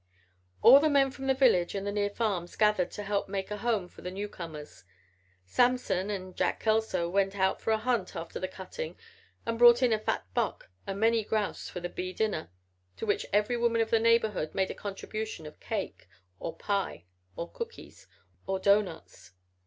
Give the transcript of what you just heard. All the men from the village and the near farms gathered to help make a home for the newcomers. Samson and Jack Kelso went out for a hunt after the cutting and brought in a fat buck and many grouse for the bee dinner, to which every woman of the neighborhood made a contribution of cake or pie or cookies or doughnuts.